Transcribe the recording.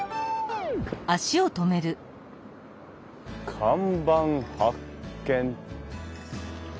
看板発見。